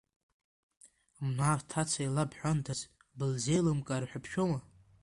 Ма бҭаца илабҳәандаз, былзеилымкаар ҳәа бшәама?